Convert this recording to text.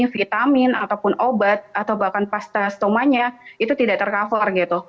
vitamin ataupun obat atau bahkan pasta stomanya itu tidak tercover gitu